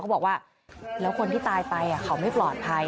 เขาบอกว่าแล้วคนที่ตายไปเขาไม่ปลอดภัย